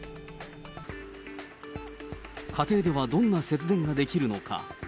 家庭ではどんな節電ができるのか。